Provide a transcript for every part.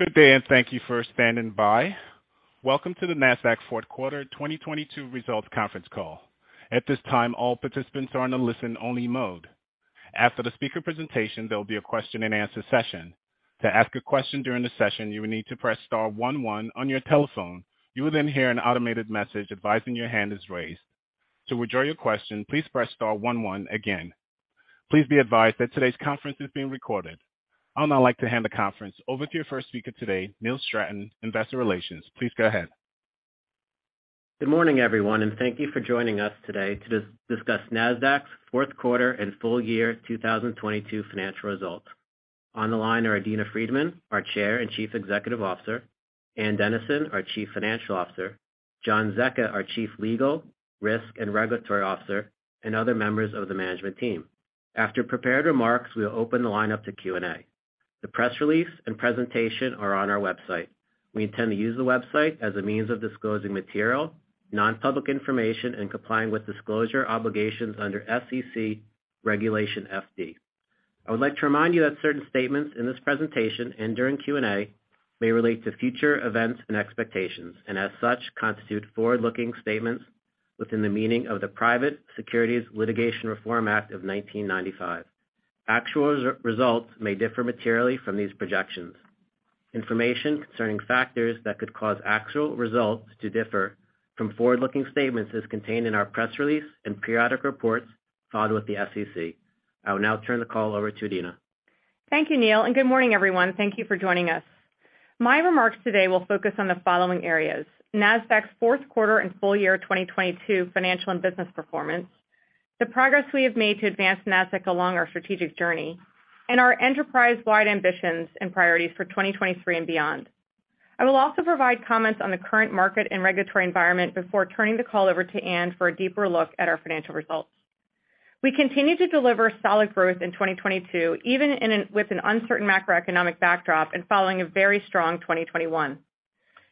Good day. Thank you for standing by. Welcome to the Nasdaq fourth quarter 2022 results Conference Call. At this time, all participants are in a listen-only mode. After the speaker presentation, there'll be a question-and-answer session. To ask a question during the session, you will need to press star one one on your telephone. You will hear an automated message advising your hand is raised. To withdraw your question, please press star one one again. Please be advised that today's conference is being recorded. I would now like to hand the conference over to your first speaker today, Neil Stratton, Investor Relations. Please go ahead. Good morning, everyone, thank you for joining us today to discuss Nasdaq's fourth quarter and full year 2022 financial results. On the line are Adena Friedman, our Chair and Chief Executive Officer, Ann Dennison, our Chief Financial Officer, John Zecca, our Chief Legal, Risk, and Regulatory Officer, and other members of the management team. After prepared remarks, we'll open the line up to Q&A. The press release and presentation are on our website. We intend to use the website as a means of disclosing material, non-public information, and complying with disclosure obligations under SEC Regulation FD. I would like to remind you that certain statements in this presentation and during Q&A may relate to future events and expectations, and as such, constitute forward-looking statements within the meaning of the Private Securities Litigation Reform Act of 1995. Actual results may differ materially from these projections. Information concerning factors that could cause actual results to differ from forward-looking statements is contained in our press release and periodic reports filed with the SEC. I will now turn the call over to Adena. Thank you, Neil, and good morning, everyone. Thank you for joining us. My remarks today will focus on the following areas: Nasdaq's fourth quarter and full year 2022 financial and business performance, the progress we have made to advance Nasdaq along our strategic journey, and our enterprise-wide ambitions and priorities for 2023 and beyond. I will also provide comments on the current market and regulatory environment before turning the call over to Ann for a deeper look at our financial results. We continue to deliver solid growth in 2022, even with an uncertain macroeconomic backdrop and following a very strong 2021.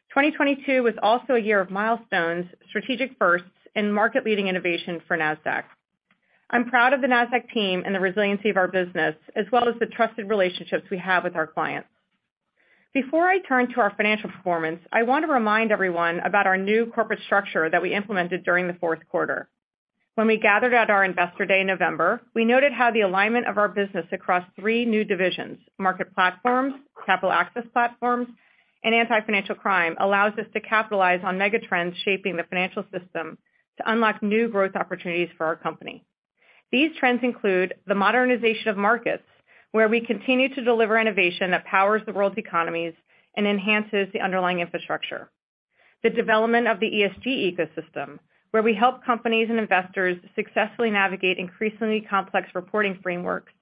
2022 was also a year of milestones, strategic firsts, and market-leading innovation for Nasdaq. I'm proud of the Nasdaq team and the resiliency of our business, as well as the trusted relationships we have with our clients. Before I turn to our financial performance, I want to remind everyone about our new corporate structure that we implemented during the fourth quarter. When we gathered at our Investor Day in November, we noted how the alignment of our business across three new divisions, Market Platforms, Capital Access Platforms, and Anti-Financial Crime, allows us to capitalize on mega trends shaping the financial system to unlock new growth opportunities for our company. These trends include the modernization of markets, where we continue to deliver innovation that powers the world's economies and enhances the underlying infrastructure. The development of the ESG ecosystem, where we help companies and investors successfully navigate increasingly complex reporting frameworks,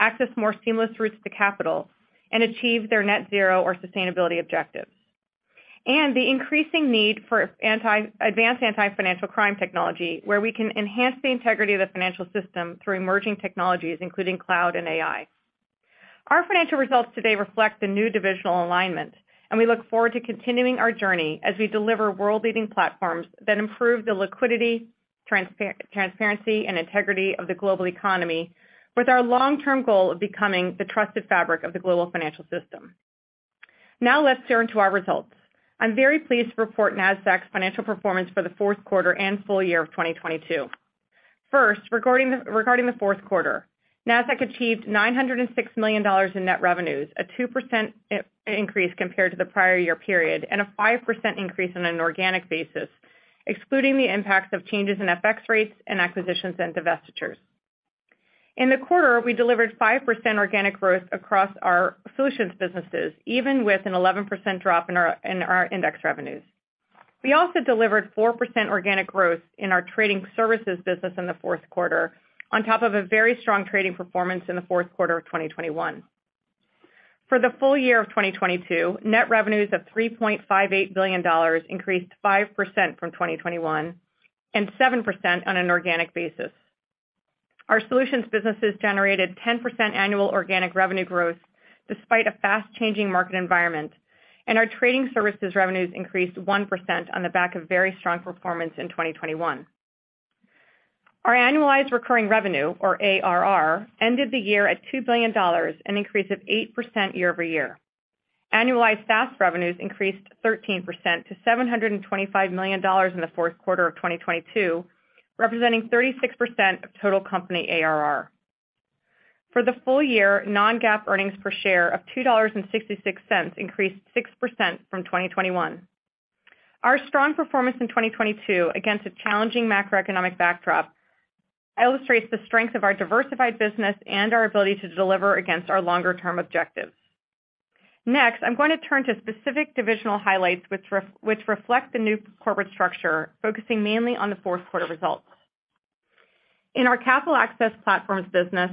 access more seamless routes to capital, and achieve their net zero or sustainability objectives. The increasing need for advanced anti-financial crime technology, where we can enhance the integrity of the financial system through emerging technologies, including cloud and AI. Our financial results today reflect the new divisional alignment. We look forward to continuing our journey as we deliver world-leading platforms that improve the liquidity, transparency, and integrity of the global economy with our long-term goal of becoming the trusted fabric of the global financial system. Let's turn to our results. I'm very pleased to report Nasdaq's financial performance for the fourth quarter and full year of 2022. First, regarding the fourth quarter. Nasdaq achieved $906 million in net revenues, a 2% increase compared to the prior year period, and a 5% increase on an organic basis, excluding the impacts of changes in FX rates and acquisitions and divestitures. In the quarter, we delivered 5% organic growth across our solutions businesses, even with an 11% drop in our index revenues. We also delivered 4% organic growth in our trading services business in the fourth quarter, on top of a very strong trading performance in the fourth quarter of 2021. For the full year of 2022, net revenues of $3.58 billion increased 5% from 2021 and 7% on an organic basis. Our solutions businesses generated 10% annual organic revenue growth despite a fast-changing market environment, and our trading services revenues increased 1% on the back of very strong performance in 2021. Our annualized recurring revenue, or ARR, ended the year at $2 billion, an increase of 8% year-over-year. Annualized SaaS revenues increased 13% to $725 million in the fourth quarter of 2022, representing 36% of total company ARR. For the full year, non-GAAP earnings per share of $2.66 increased 6% from 2021. Our strong performance in 2022 against a challenging macroeconomic backdrop illustrates the strength of our diversified business and our ability to deliver against our longer-term objectives. I'm going to turn to specific divisional highlights which reflect the new corporate structure, focusing mainly on the fourth quarter results. In our Capital Access Platforms business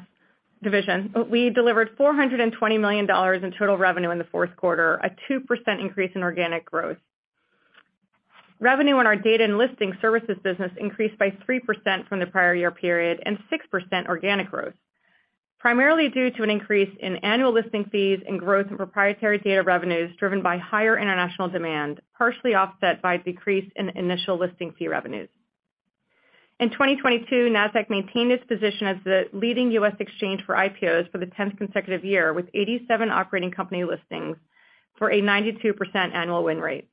division, we delivered $420 million in total revenue in the fourth quarter, a 2% increase in organic growth. Revenue on our data and listing services business increased by 3% from the prior year period and 6% organic growth, primarily due to an increase in annual listing fees and growth in proprietary data revenues driven by higher international demand, partially offset by a decrease in initial listing fee revenues. In 2022, Nasdaq maintained its position as the leading U.S. exchange for IPOs for the 10th consecutive year, with 87 operating company listings for a 92% annual win rate.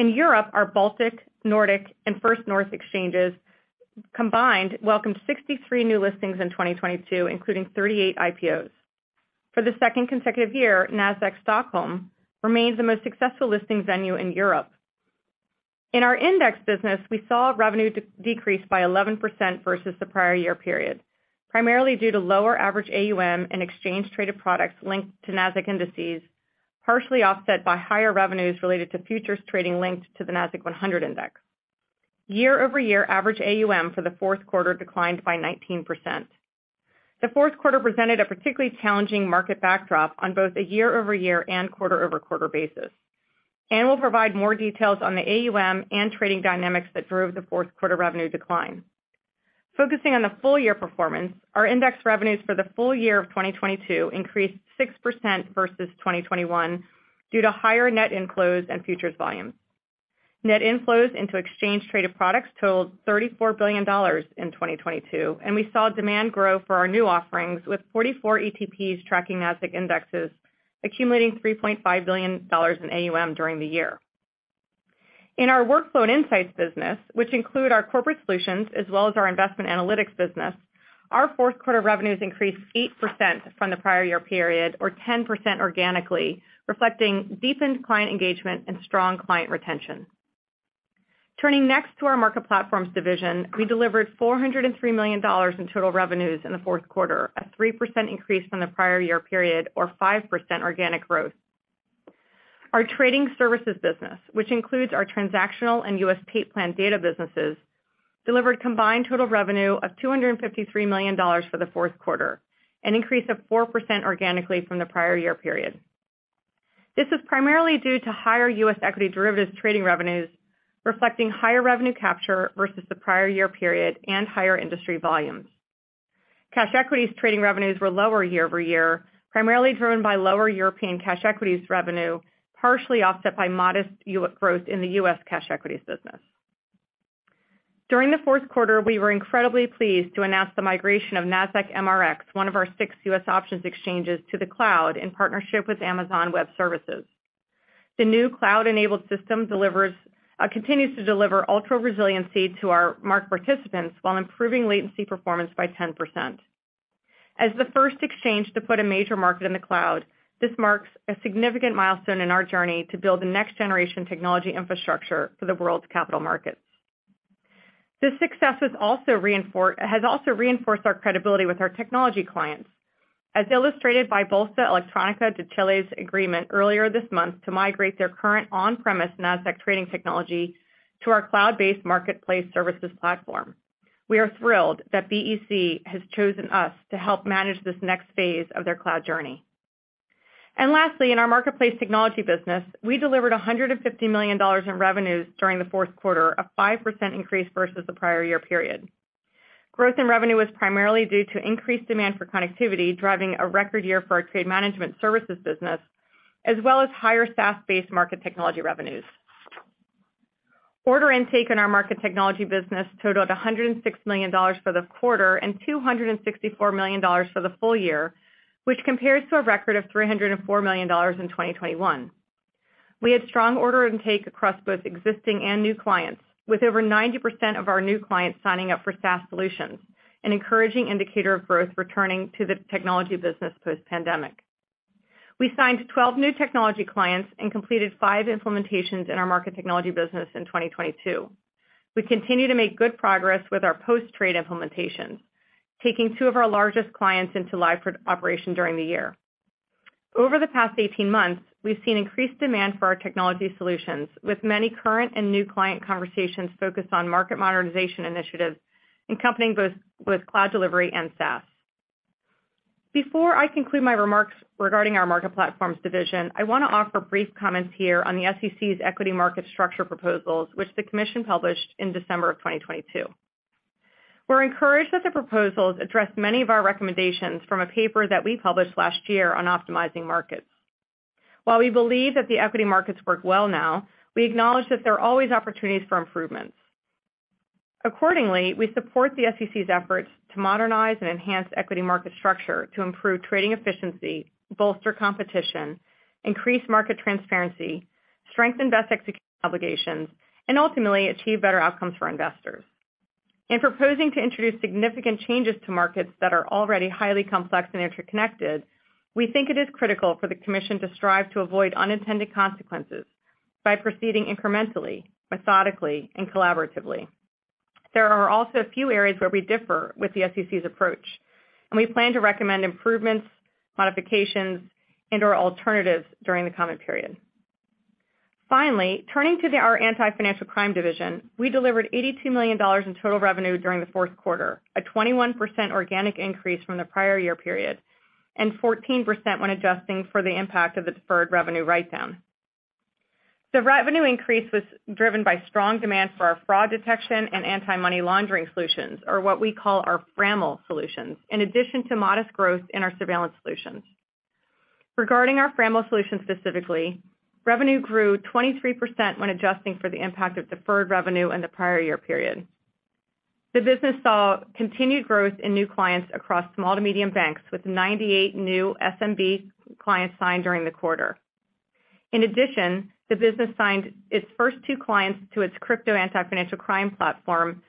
In Europe, our Baltic, Nordic, and First North exchanges combined welcomed 63 new listings in 2022, including 38 IPOs. For the second consecutive year, Nasdaq Stockholm remains the most successful listing venue in Europe. In our index business, we saw revenue decrease by 11% versus the prior year period, primarily due to lower average AUM and exchange traded products linked to Nasdaq indices, partially offset by higher revenues related to futures trading linked to the Nasdaq-100 index. Year-over-year average AUM for the fourth quarter declined by 19%. The fourth quarter presented a particularly challenging market backdrop on both a year-over-year and quarter-over-quarter basis. We'll provide more details on the AUM and trading dynamics that drove the fourth quarter revenue decline. Focusing on the full year performance, our index revenues for the full year of 2022 increased 6% versus 2021 due to higher net inflows and futures volumes. Net inflows into exchange traded products totaled $34 billion in 2022, and we saw demand grow for our new offerings, with 44 ETPs tracking Nasdaq indexes, accumulating $3.5 billion in AUM during the year. In our workflow and insights business, which include our corporate solutions as well as our investment analytics business, our fourth quarter revenues increased 8% from the prior year period, or 10% organically, reflecting deepened client engagement and strong client retention. Turning next to our Market Platforms division, we delivered $403 million in total revenues in the fourth quarter, a 3% increase from the prior year period or 5% organic growth. Our trading services business, which includes our transactional and U.S. tape plan data businesses, delivered combined total revenue of $253 million for the fourth quarter, an increase of 4% organically from the prior year period. This is primarily due to higher U.S. equity derivatives trading revenues, reflecting higher revenue capture versus the prior year period and higher industry volumes. Cash equities trading revenues were lower year-over-year, primarily driven by lower European cash equities revenue, partially offset by modest growth in the U.S. cash equities business. During the fourth quarter, we were incredibly pleased to announce the migration of Nasdaq MRX, one of our six U.S. options exchanges, to the cloud in partnership with Amazon Web Services. The new cloud-enabled system delivers, continues to deliver ultra resiliency to our market participants while improving latency performance by 10%. As the first exchange to put a major market in the cloud, this marks a significant milestone in our journey to build the next generation technology infrastructure for the world's capital markets. This success has also reinforced our credibility with our technology clients, as illustrated by Bolsa Electrónica de Chile's agreement earlier this month to migrate their current on-premise Nasdaq trading technology to our cloud-based marketplace services platform. We are thrilled that BEC has chosen us to help manage this next phase of their cloud journey. Lastly, in our marketplace technology business, we delivered $150 million in revenues during the fourth quarter, a 5% increase versus the prior year period. Growth in revenue was primarily due to increased demand for connectivity, driving a record year for our trade management services business, as well as higher SaaS-based market technology revenues. Order intake in our market technology business totaled $106 million for the quarter and $264 million for the full year, which compares to a record of $304 million in 2021. We had strong order intake across both existing and new clients, with over 90% of our new clients signing up for SaaS solutions, an encouraging indicator of growth returning to the technology business post-pandemic. We signed 12 new technology clients and completed five implementations in our market technology business in 2022. We continue to make good progress with our post-trade implementations, taking two of our largest clients into live pro-operation during the year. Over the past 18 months, we've seen increased demand for our technology solutions, with many current and new client conversations focused on market modernization initiatives accompanying with cloud delivery and SaaS. Before I conclude my remarks regarding our Market Platforms division, I want to offer brief comments here on the SEC's equity market structure proposals, which the Commission published in December of 2022. We're encouraged that the proposals address many of our recommendations from a paper that we published last year on optimizing markets. While we believe that the equity markets work well now, we acknowledge that there are always opportunities for improvements. Accordingly, we support the SEC's efforts to modernize and enhance equity market structure to improve trading efficiency, bolster competition, increase market transparency, strengthen best execution obligations, and ultimately achieve better outcomes for investors. In proposing to introduce significant changes to markets that are already highly complex and interconnected, we think it is critical for the Commission to strive to avoid unintended consequences by proceeding incrementally, methodically, and collaboratively. There are also a few areas where we differ with the SEC's approach. We plan to recommend improvements, modifications, and or alternatives during the comment period. Finally, turning to our Anti-Financial Crime division, we delivered $82 million in total revenue during the fourth quarter, a 21% organic increase from the prior year period, and 14% when adjusting for the impact of the deferred revenue write-down. The revenue increase was driven by strong demand for our fraud detection and Anti-Money Laundering solutions, or what we call our FRAML solutions, in addition to modest growth in our surveillance solutions. Regarding our FRAML solution specifically, revenue grew 23% when adjusting for the impact of deferred revenue in the prior year period. The business saw continued growth in new clients across small to medium banks, with 98 new SMB clients signed during the quarter. In addition, the business signed its first two clients to its crypto Anti-Financial Crime platform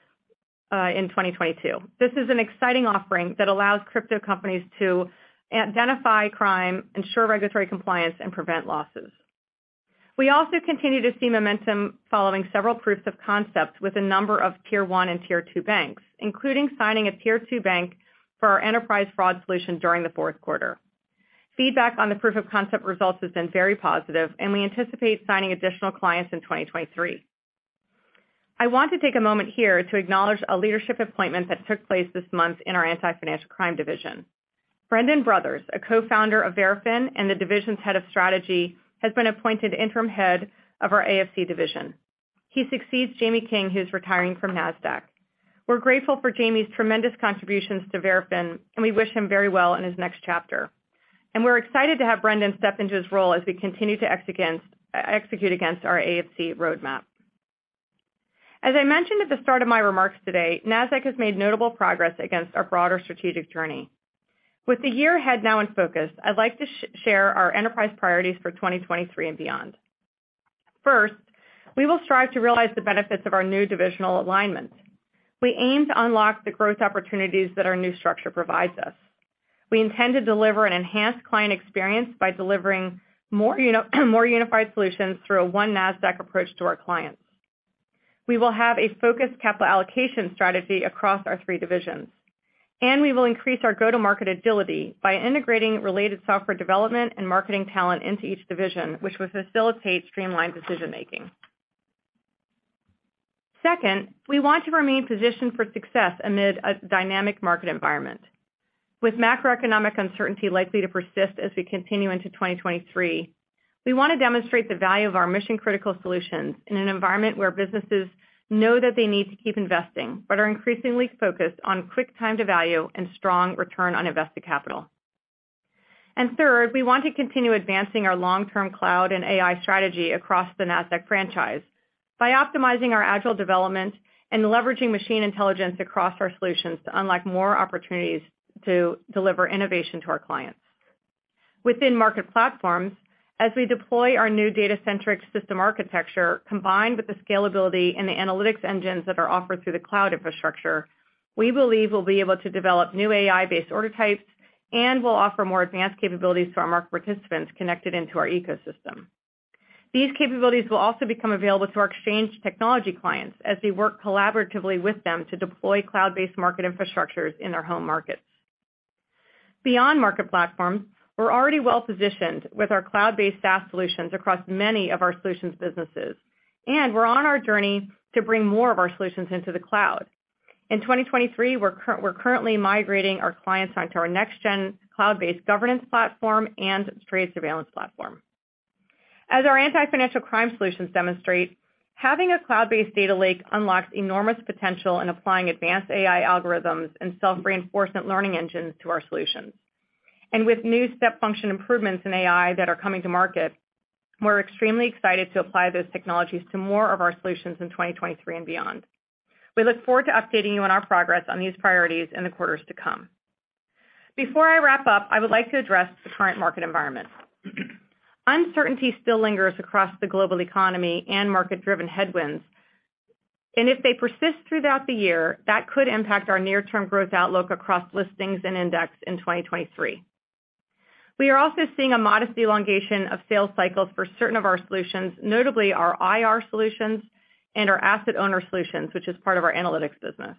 in 2022. This is an exciting offering that allows crypto companies to identify crime, ensure regulatory compliance, and prevent losses. We also continue to see momentum following several proofs of concepts with a number of Tier 1 and Tier 2 banks, including signing a Tier 2 bank for our enterprise fraud solution during the fourth quarter. Feedback on the proof of concept results has been very positive, and we anticipate signing additional clients in 2023. I want to take a moment here to acknowledge a leadership appointment that took place this month in our Anti-Financial Crime division. Brendan Brothers, a co-founder of Verafin and the division's head of strategy, has been appointed interim head of our AFC division. He succeeds Jamie King, who's retiring from Nasdaq. We're grateful for Jamie's tremendous contributions to Verafin, and we wish him very well in his next chapter. We're excited to have Brendan step into his role as we continue to execute against our AFC roadmap. As I mentioned at the start of my remarks today, Nasdaq has made notable progress against our broader strategic journey. With the year ahead now in focus, I'd like to share our enterprise priorities for 2023 and beyond. First, we will strive to realize the benefits of our new divisional alignment. We aim to unlock the growth opportunities that our new structure provides us. We intend to deliver an enhanced client experience by delivering more unified solutions through a one Nasdaq approach to our clients. We will have a focused capital allocation strategy across our three divisions, and we will increase our go-to-market agility by integrating related software development and marketing talent into each division, which will facilitate streamlined decision-making. Second, we want to remain positioned for success amid a dynamic market environment. With macroeconomic uncertainty likely to persist as we continue into 2023, we want to demonstrate the value of our mission-critical solutions in an environment where businesses know that they need to keep investing but are increasingly focused on quick time to value and strong return on invested capital. Third, we want to continue advancing our long-term cloud and AI strategy across the Nasdaq franchise by optimizing our agile development and leveraging machine intelligence across our solutions to unlock more opportunities to deliver innovation to our clients. Within Market Platforms, as we deploy our new data-centric system architecture, combined with the scalability and the analytics engines that are offered through the cloud infrastructure, we believe we'll be able to develop new AI-based order types and will offer more advanced capabilities to our market participants connected into our ecosystem. These capabilities will also become available to our exchange technology clients as we work collaboratively with them to deploy cloud-based market infrastructures in their home markets. Beyond Market Platforms, we're already well positioned with our cloud-based SaaS solutions across many of our solutions businesses, and we're on our journey to bring more of our solutions into the cloud. In 2023, we're currently migrating our clients onto our next gen cloud-based governance platform and trade surveillance platform. As our anti-financial crime solutions demonstrate, having a cloud-based data lake unlocks enormous potential in applying advanced AI algorithms and self-reinforcement learning engines to our solutions. With new step function improvements in AI that are coming to market, we're extremely excited to apply those technologies to more of our solutions in 2023 and beyond. We look forward to updating you on our progress on these priorities in the quarters to come. Before I wrap up, I would like to address the current market environment. Uncertainty still lingers across the global economy and market-driven headwinds, and if they persist throughout the year, that could impact our near-term growth outlook across listings and index in 2023. We are also seeing a modest elongation of sales cycles for certain of our solutions, notably our IR solutions and our asset owner solutions, which is part of our analytics business.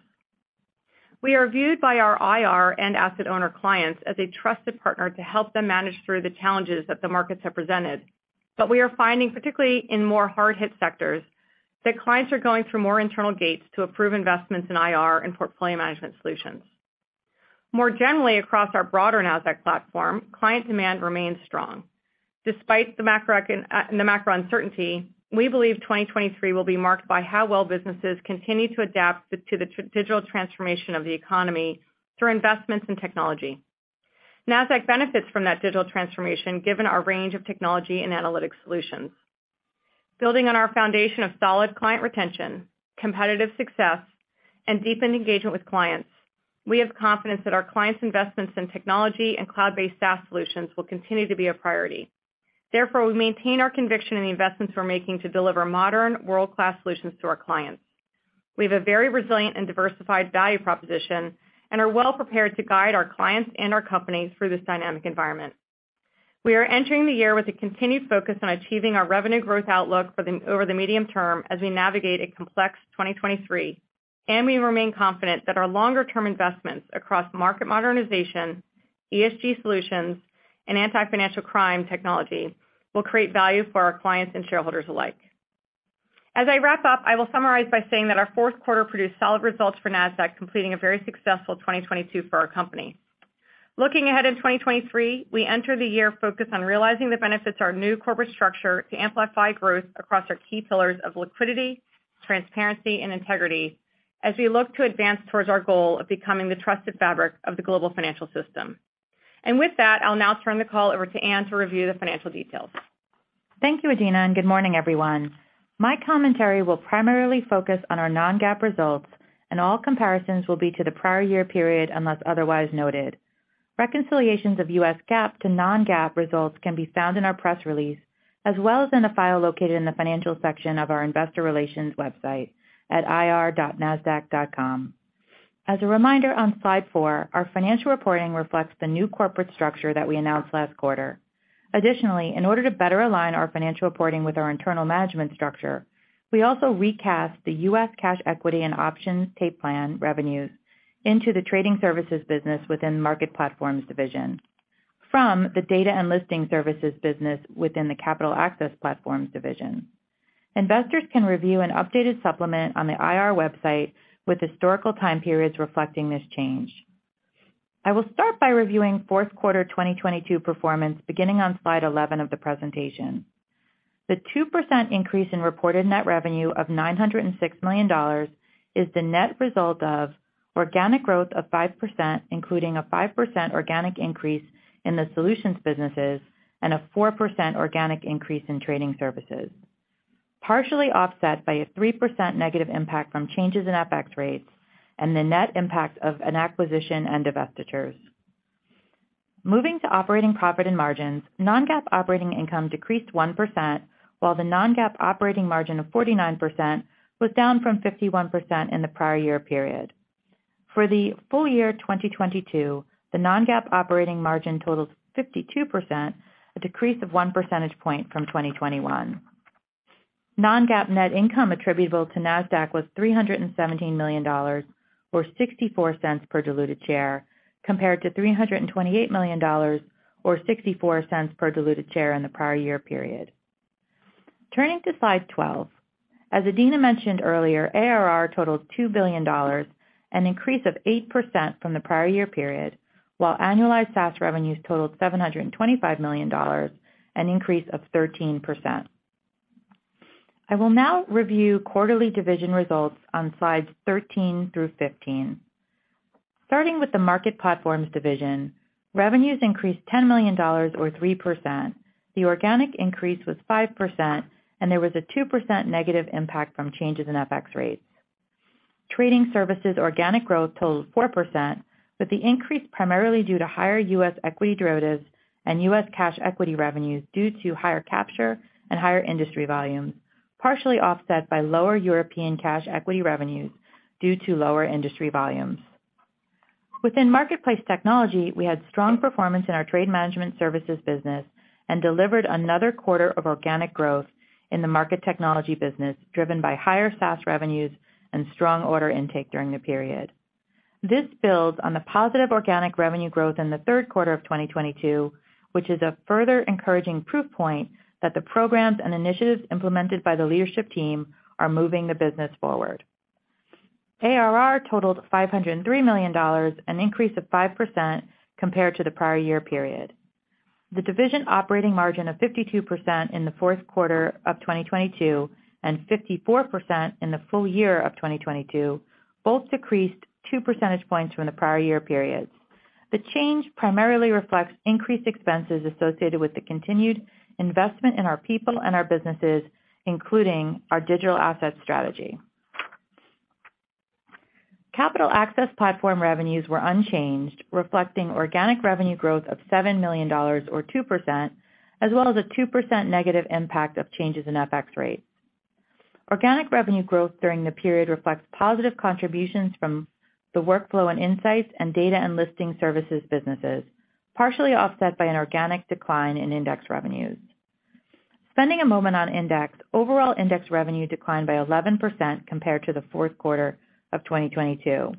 We are viewed by our IR and asset owner clients as a trusted partner to help them manage through the challenges that the markets have presented. We are finding, particularly in more hard-hit sectors, that clients are going through more internal gates to approve investments in IR and portfolio management solutions. More generally, across our broader Nasdaq platform, client demand remains strong. Despite the macro uncertainty, we believe 2023 will be marked by how well businesses continue to adapt to the digital transformation of the economy through investments in technology. Nasdaq benefits from that digital transformation given our range of technology and analytic solutions. Building on our foundation of solid client retention, competitive success, and deepened engagement with clients, we have confidence that our clients' investments in technology and cloud-based SaaS solutions will continue to be a priority. We maintain our conviction in the investments we're making to deliver modern world-class solutions to our clients. We have a very resilient and diversified value proposition and are well prepared to guide our clients and our companies through this dynamic environment. We are entering the year with a continued focus on achieving our revenue growth outlook over the medium term as we navigate a complex 2023. We remain confident that our longer-term investments across market modernization, ESG solutions, and anti-financial crime technology will create value for our clients and shareholders alike. As I wrap up, I will summarize by saying that our fourth quarter produced solid results for Nasdaq, completing a very successful 2022 for our company. Looking ahead in 2023, we enter the year focused on realizing the benefits of our new corporate structure to amplify growth across our key pillars of liquidity, transparency, and integrity. As we look to advance towards our goal of becoming the trusted fabric of the global financial system. With that, I'll now turn the call over to Ann to review the financial details. Thank you, Adena, and good morning, everyone. My commentary will primarily focus on our non-GAAP results, and all comparisons will be to the prior year period, unless otherwise noted. Reconciliations of U.S. GAAP to non-GAAP results can be found in our press release, as well as in a file located in the Financial section of our investor relations website at ir.nasdaq.com. As a reminder, on slide four, our financial reporting reflects the new corporate structure that we announced last quarter. Additionally, in order to better align our financial reporting with our internal management structure, we also recast the U.S. cash equity and options tape plan revenues into the trading services business within Market Platforms division from the data and listing services business within the Capital Access Platforms division. Investors can review an updated supplement on the IR website with historical time periods reflecting this change. I will start by reviewing fourth quarter 2022 performance, beginning on slide 11 of the presentation. The 2% increase in reported net revenue of $906 million is the net result of organic growth of 5%, including a 5% organic increase in the solutions businesses and a 4% organic increase in trading services. Partially offset by a 3% negative impact from changes in FX rates and the net impact of an acquisition and divestitures. Moving to operating profit and margins, non-GAAP operating income decreased 1%, while the non-GAAP operating margin of 49% was down from 51% in the prior year period. For the full year 2022, the non-GAAP operating margin totals 52%, a decrease of 1 percentage point from 2021. Non-GAAP net income attributable to Nasdaq was $317 million, or $0.64 per diluted share, compared to $328 million or $0.64 per diluted share in the prior year period. Turning to slide 12. As Adena mentioned earlier, ARR totaled $2 billion, an increase of 8% from the prior year period, while annualized SaaS revenues totaled $725 million, an increase of 13%. I will now review quarterly division results on slides 13 through 15. Starting with the Market Platforms division, revenues increased $10 million or 3%. The organic increase was 5%, and there was a 2% negative impact from changes in FX rates. Trading services organic growth totaled 4%, with the increase primarily due to higher U.S. equity derivatives and U.S. cash equity revenues due to higher capture and higher industry volumes, partially offset by lower European cash equity revenues due to lower industry volumes. Within Marketplace Technology, we had strong performance in our trade management services business and delivered another quarter of organic growth in the market technology business, driven by higher SaaS revenues and strong order intake during the period. This builds on the positive organic revenue growth in the third quarter of 2022, which is a further encouraging proof point that the programs and initiatives implemented by the leadership team are moving the business forward. ARR totaled $503 million, an increase of 5% compared to the prior year period. The division operating margin of 52% in the fourth quarter of 2022 and 54% in the full year of 2022 both decreased 2 percentage points from the prior year periods. The change primarily reflects increased expenses associated with the continued investment in our people and our businesses, including our digital assets strategy. Capital Access Platforms revenues were unchanged, reflecting organic revenue growth of $7 million or 2%, as well as a 2% negative impact of changes in FX rates. Organic revenue growth during the period reflects positive contributions from the workflow and insights and data and listing services businesses, partially offset by an organic decline in index revenues. Spending a moment on index, overall index revenue declined by 11% compared to the fourth quarter of 2022.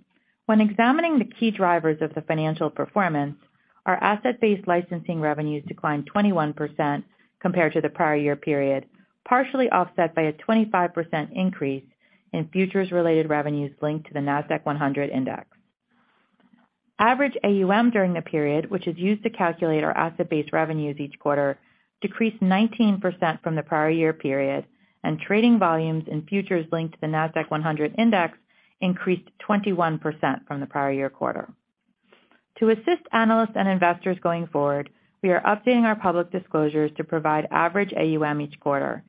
When examining the key drivers of the financial performance, our asset-based licensing revenues declined 21% compared to the prior year period, partially offset by a 25% increase in futures-related revenues linked to the Nasdaq-100 index. Average AUM during the period, which is used to calculate our asset-based revenues each quarter, decreased 19% from the prior year period, and trading volumes in futures linked to the Nasdaq-100 index increased 21% from the prior year quarter. To assist analysts and investors going forward, we are updating our public disclosures to provide average AUM each quarter.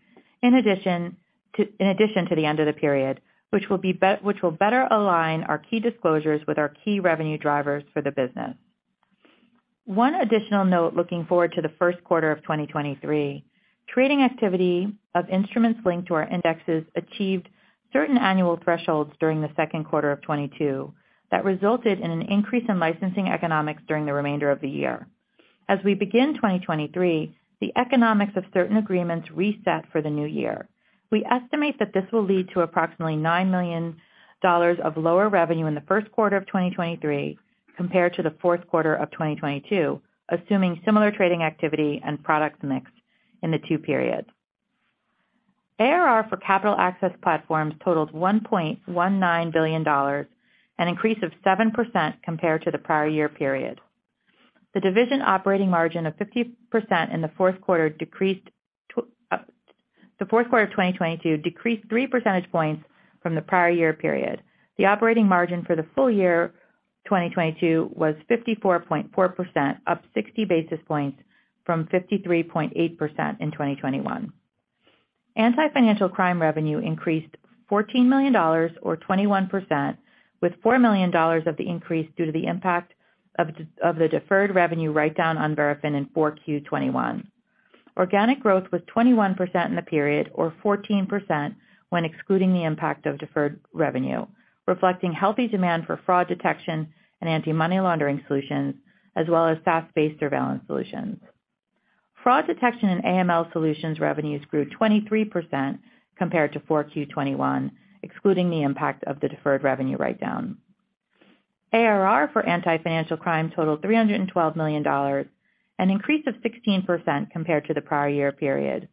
In addition to the end of the period, which will better align our key disclosures with our key revenue drivers for the business. One additional note looking forward to the first quarter of 2023. Trading activity of instruments linked to our indexes achieved certain annual thresholds during the second quarter of 2022 that resulted in an increase in licensing economics during the remainder of the year. As we begin 2023, the economics of certain agreements reset for the new year. We estimate that this will lead to approximately $9 million of lower revenue in the first quarter of 2023 compared to the fourth quarter of 2022, assuming similar trading activity and product mix in the two periods. ARR for Capital Access Platforms totaled $1.19 billion, an increase of 7% compared to the prior year period. The division operating margin of 50% in the fourth quarter The fourth quarter of 2022 decreased 3 percentage points from the prior year period. The operating margin for the full year 2022 was 54.4%, up 60 basis points from 53.8% in 2021. Anti-Financial Crime revenue increased $14 million or 21%, with $4 million of the increase due to the impact of the deferred revenue write-down on Verafin in 4Q 2021. Organic growth was 21% in the period or 14% when excluding the impact of deferred revenue, reflecting healthy demand for fraud detection and anti-money laundering solutions, as well as SaaS-based surveillance solutions. Fraud detection and AML solutions revenues grew 23% compared to 4Q 2021, excluding the impact of the deferred revenue write-down. ARR for Anti-Financial Crime totaled $312 million, an increase of 16% compared to the prior year period.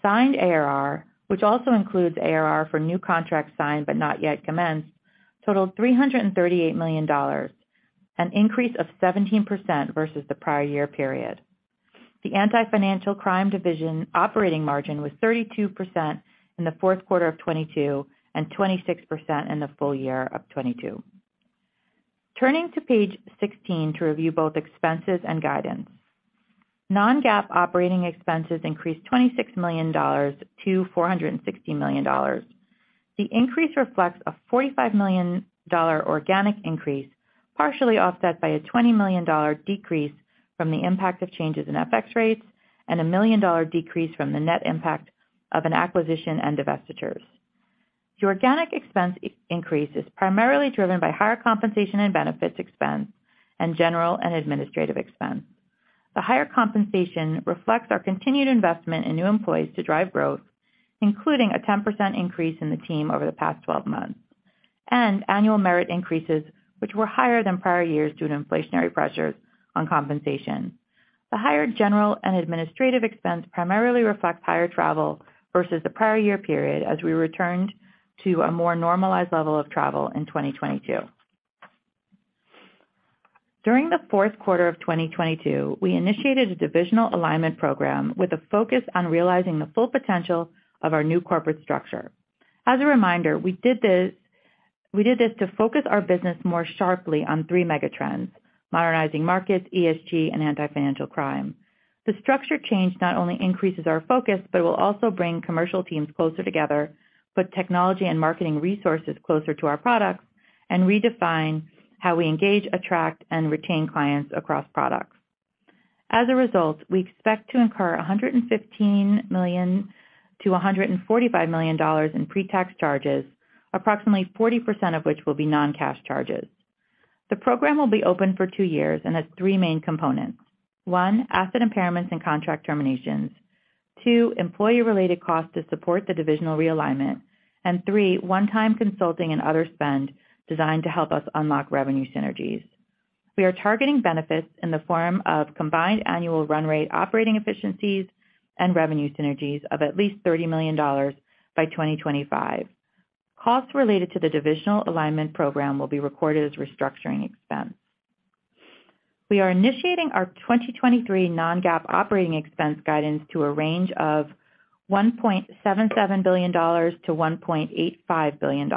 Signed ARR, which also includes ARR for new contracts signed but not yet commenced, totaled $338 million, an increase of 17% versus the prior year period. The Anti-Financial Crime division operating margin was 32% in Q4 of 2022 and 26% in the full year of 2022. Turning to page 16 to review both expenses and guidance. Non-GAAP operating expenses increased $26 million-$460 million. The increase reflects a $45 million organic increase, partially offset by a $20 million decrease from the impact of changes in FX rates and a $1 million decrease from the net impact of an acquisition and divestitures. The organic expense increase is primarily driven by higher compensation and benefits expense and general and administrative expense. The higher compensation reflects our continued investment in new employees to drive growth, including a 10% increase in the team over the past 12 months, and annual merit increases which were higher than prior years due to inflationary pressures on compensation. The higher general and administrative expense primarily reflects higher travel versus the prior year period as we returned to a more normalized level of travel in 2022. During the fourth quarter of 2022, we initiated a divisional alignment program with a focus on realizing the full potential of our new corporate structure. As a reminder, we did this to focus our business more sharply on three mega trends: modernizing markets, ESG, and anti-financial crime. The structure change not only increases our focus, but will also bring commercial teams closer together, put technology and marketing resources closer to our products, and redefine how we engage, attract, and retain clients across products. As a result, we expect to incur $115 million-$145 million in pre-tax charges, approximately 40% of which will be non-cash charges. The program will be open for two years and has three main components. one, asset impairments and contract terminations. Two, employee-related costs to support the divisional realignment. Three, one-time consulting and other spend designed to help us unlock revenue synergies. We are targeting benefits in the form of combined annual run rate operating efficiencies and revenue synergies of at least $30 million by 2025. Costs related to the divisional alignment program will be recorded as restructuring expense. We are initiating our 2023 non-GAAP operating expense guidance to a range of $1.77 billion-$1.85 billion.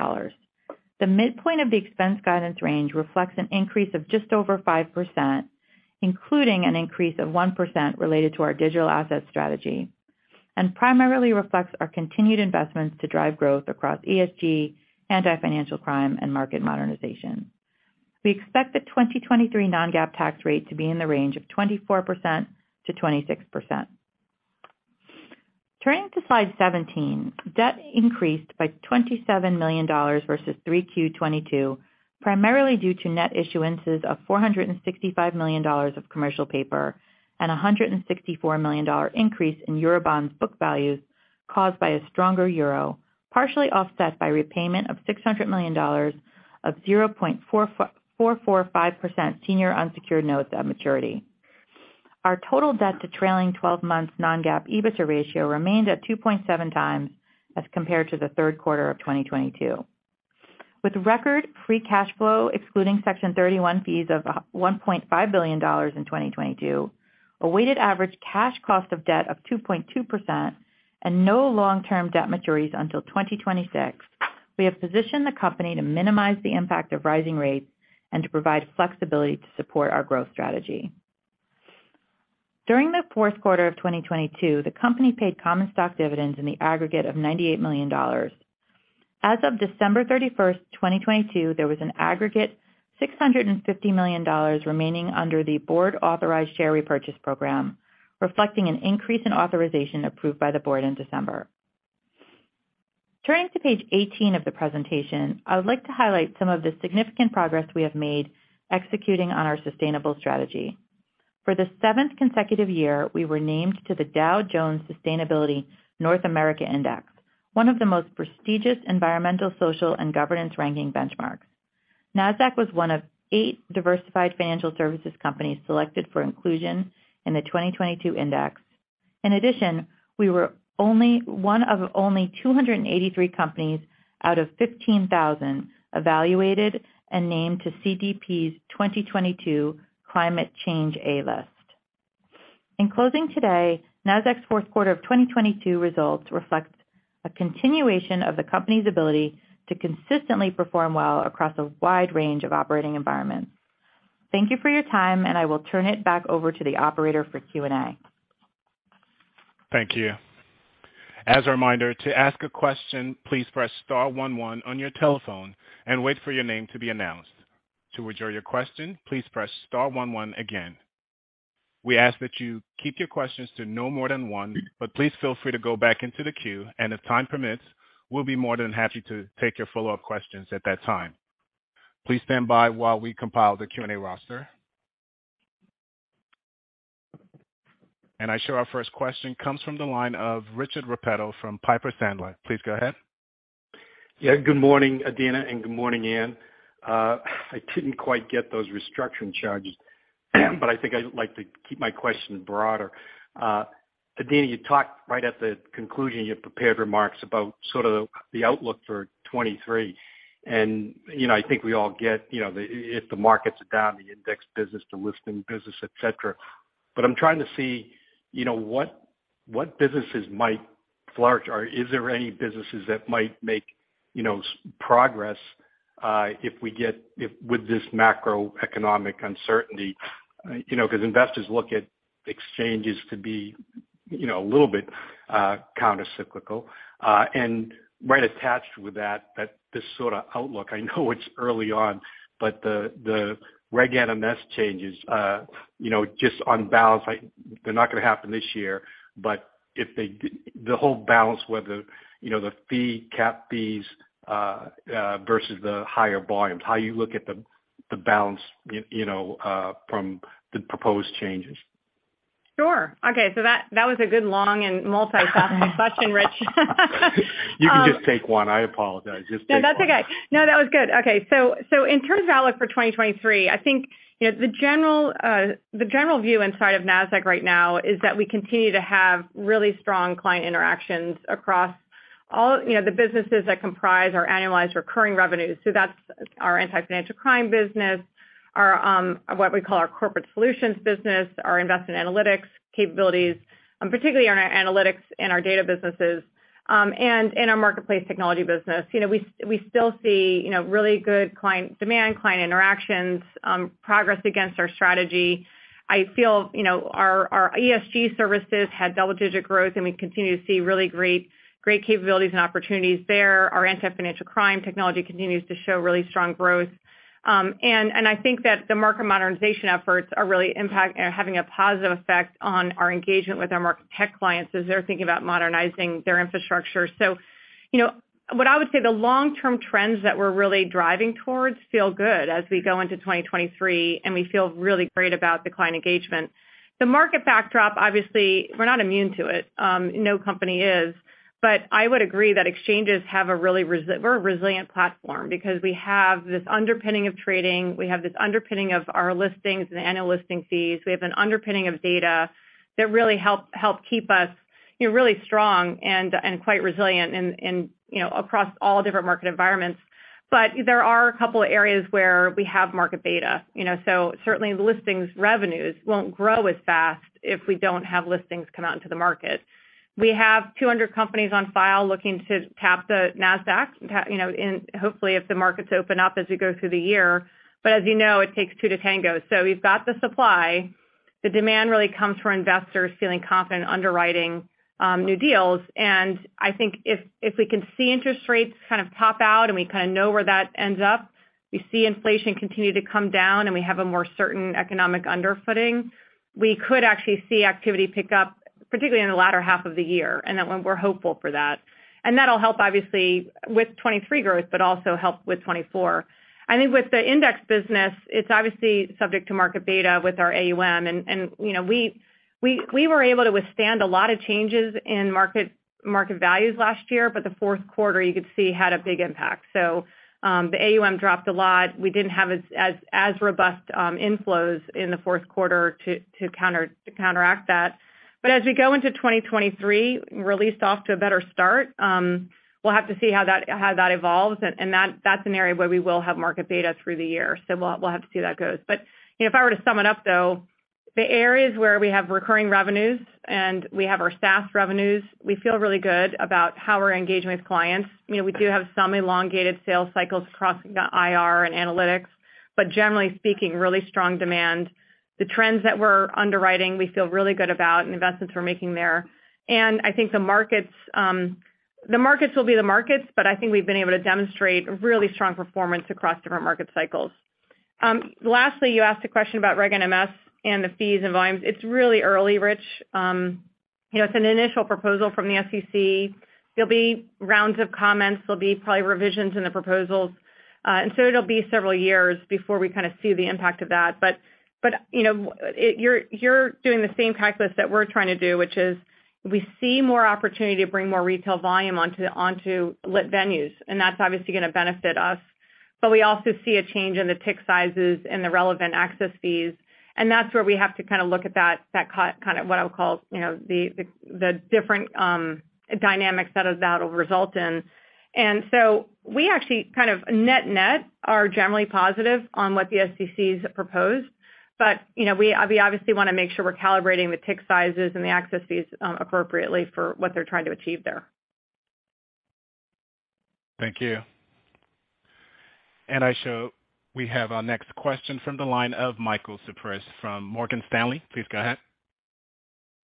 The midpoint of the expense guidance range reflects an increase of just over 5%, including an increase of 1% related to our digital asset strategy, and primarily reflects our continued investments to drive growth across ESG, Anti-Financial Crime, and market modernization. We expect the 2023 non-GAAP tax rate to be in the range of 24%-26%. Turning to slide 17. Debt increased by $27 million versus 3Q 2022, primarily due to net issuances of $465 million of commercial paper and a $164 million increase in Eurobonds book values caused by a stronger euro, partially offset by repayment of $600 million of 0.445% senior unsecured notes at maturity. Our total debt to trailing 12 months non-GAAP EBITDA ratio remained at 2.7 times as compared to the third quarter of 2022. With record free cash flow, excluding Section 31 fees of $1.5 billion in 2022, a weighted average cash cost of debt of 2.2%, and no long-term debt maturities until 2026, we have positioned the company to minimize the impact of rising rates and to provide flexibility to support our growth strategy. During the fourth quarter of 2022, the company paid common stock dividends in the aggregate of $98 million. As of December 31st, 2022, there was an aggregate $650 million remaining under the board-authorized share repurchase program, reflecting an increase in authorization approved by the board in December. Turning to page 18 of the presentation, I would like to highlight some of the significant progress we have made executing on our sustainable strategy. For the seventh consecutive year, we were named to the Dow Jones Sustainability North America Index, one of the most prestigious environmental, social, and governance ranking benchmarks. Nasdaq was one of eight diversified financial services companies selected for inclusion in the 2022 index. In addition, we were only one of only 283 companies out of 15,000 evaluated and named to CDP's 2022 Climate Change A List. In closing today, Nasdaq's fourth quarter of 2022 results reflect a continuation of the company's ability to consistently perform well across a wide range of operating environments. Thank you for your time, I will turn it back over to the operator for Q&A. Thank you. As a reminder, to ask a question, please press star one one on your telephone and wait for your name to be announced. To withdraw your question, please press star one one again. We ask that you keep your questions to no more than one, but please feel free to go back into the queue, and if time permits, we'll be more than happy to take your follow-up questions at that time. Please stand by while we compile the Q&A roster. I show our first question comes from the line of Richard Repetto from Piper Sandler. Please go ahead. Yeah, good morning, Adena, and good morning, Ann. I couldn't quite get those restructuring charges, but I think I'd like to keep my question broader. Adena, you talked right at the conclusion of your prepared remarks about sort of the outlook for 2023. You know, I think we all get, you know, the, if the markets are down, the index business, the listing business, et cetera. I'm trying to see, you know, what businesses might flourish, or is there any businesses that might make, you know, progress if with this macroeconomic uncertainty, you know, 'cause investors look at exchanges to be, you know, a little bit countercyclical. Right attached with that this sorta outlook, I know it's early on, but the Regulation NMS changes, you know, just on balance, they're not gonna happen this year, but if they the whole balance whether, you know, the fee, cap fees versus the higher volumes, how you look at the balance, you know, from the proposed changes. Sure. Okay. That, that was a good long and multi-faceted question, Rich. You can just take one. I apologize. Just take one. No, that's okay. No, that was good. Okay. In terms of outlook for 2023, I think, you know, the general, the general view inside of Nasdaq right now is that we continue to have really strong client interactions across all, you know, the businesses that comprise our annualized recurring revenues. That's our Anti-Financial Crime business, our, what we call our corporate solutions business, our investment analytics capabilities, particularly in our analytics and our data businesses, and in our marketplace technology business. You know, we still see, you know, really good client demand, client interactions, progress against our strategy. I feel, you know, our ESG services had double-digit growth, and we continue to see really great capabilities and opportunities there. Our Anti-Financial Crime technology continues to show really strong growth. I think that the market modernization efforts are really having a positive effect on our engagement with our market tech clients as they're thinking about modernizing their infrastructure. You know, what I would say the long-term trends that we're really driving towards feel good as we go into 2023, and we feel really great about the client engagement. The market backdrop, obviously, we're not immune to it. No company is. I would agree that exchanges have a really resilient platform because we have this underpinning of trading, we have this underpinning of our listings and annual listing fees. We have an underpinning of data that really help keep us, you know, really strong and quite resilient in, you know, across all different market environments. There are a couple of areas where we have market beta, you know, so certainly the listings revenues won't grow as fast if we don't have listings come out into the market. We have 200 companies on file looking to tap the Nasdaq, you know, and hopefully, if the markets open up as we go through the year. As you know, it takes two to tango. We've got the supply. The demand really comes from investors feeling confident underwriting new deals. I think if we can see interest rates kind of top out and we kinda know where that ends up, we see inflation continue to come down, and we have a more certain economic underfooting, we could actually see activity pick up, particularly in the latter half of the year, and we're hopeful for that. That'll help obviously with 2023 growth but also help with 2024. I think with the index business, it's obviously subject to market beta with our AUM, and, you know, we were able to withstand a lot of changes in market values last year, the fourth quarter, you could see, had a big impact. The AUM dropped a lot. We didn't have as robust inflows in the fourth quarter to counteract that. As we go into 2023, we're really off to a better start. We'll have to see how that evolves, and that's an area where we will have market data through the year. We'll have to see how that goes. You know, if I were to sum it up, though, the areas where we have recurring revenues and we have our SaaS revenues, we feel really good about how we're engaging with clients. You know, we do have some elongated sales cycles across the IR and analytics, but generally speaking, really strong demand. The trends that we're underwriting, we feel really good about and investments we're making there. I think the markets, the markets will be the markets, but I think we've been able to demonstrate really strong performance across different market cycles. Lastly, you asked a question about Reg NMS and the fees and volumes. It's really early, Rich. You know, it's an initial proposal from the SEC. There'll be rounds of comments. There'll be probably revisions in the proposals. It'll be several years before we kinda see the impact of that. You know, you're doing the same practice that we're trying to do, which is we see more opportunity to bring more retail volume onto lit venues, and that's obviously gonna benefit us. We also see a change in the tick sizes and the relevant access fees, and that's where we have to kind of look at that kind of what I would call, you know, the different dynamics that'll result in. We actually kind of net net are generally positive on what the SEC's proposed, but, you know, we obviously wanna make sure we're calibrating the tick sizes and the access fees, appropriately for what they're trying to achieve there. Thank you. I show we have our next question from the line of Michael Cyprys from Morgan Stanley. Please go ahead.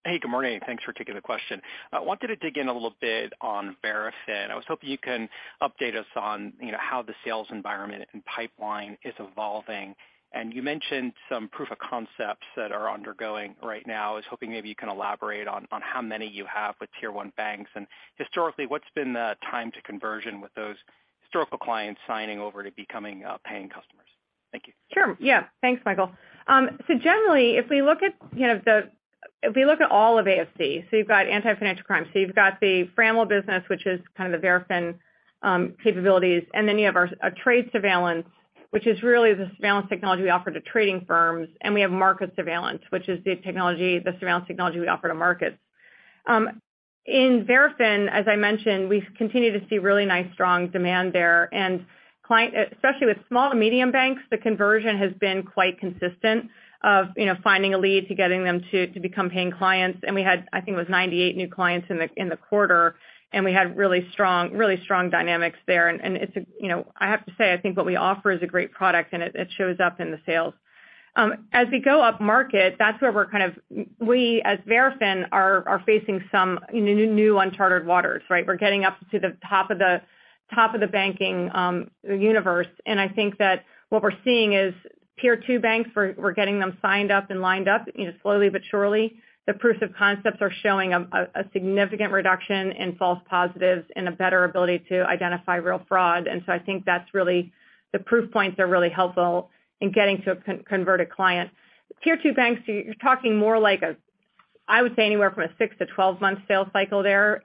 Hey, good morning, thanks for taking the question. I wanted to dig in a little bit on Verafin. I was hoping you can update us on, you know, how the sales environment and pipeline is evolving. You mentioned some proof of concepts that are undergoing right now. I was hoping maybe you can elaborate on how many you have with tier one banks, and historically, what's been the time to conversion with those historical clients signing over to becoming paying customers? Thank you. Sure. Yeah. Thanks, Michael. Generally, if we look at, you know, if we look at all of AFC, you've got anti-financial crime. You've got the FRAML business, which is kind of the Verafin capabilities. Then you have our trade surveillance, which is really the surveillance technology we offer to trading firms, and we have market surveillance, which is the technology, the surveillance technology we offer to markets. In Verafin, as I mentioned, we've continued to see really nice, strong demand there. Client, especially with small to medium banks, the conversion has been quite consistent of, you know, finding a lead to becoming paying clients. We had, I think it was 98 new clients in the, in the quarter, and we had really strong dynamics there. It's, you know, I have to say, I think what we offer is a great product, and it shows up in the sales. As we go up market, that's where we're kind of, we as Verafin are facing some, you know, new, uncharted waters, right? We're getting up to the top of the banking universe. I think that what we're seeing is tier two banks, we're getting them signed up and lined up, you know, slowly but surely. The proofs of concepts are showing a significant reduction in false positives and a better ability to identify real fraud. I think that's really the proof points are really helpful in getting to a converted client. Tier two banks, you're talking more like a, I would say, anywhere from a 6-12 month sales cycle there.